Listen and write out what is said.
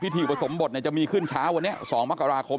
ที่อุปสมบทจะมีขึ้นเช้าวันนี้๒มกราคม